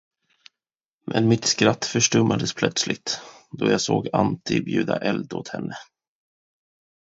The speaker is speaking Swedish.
Men mitt skratt förstummades plötsligt, då jag såg Antti bjuda eld åt henne.